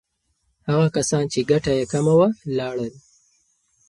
هغه کسان چې ګټه یې کمه وه، لاړل.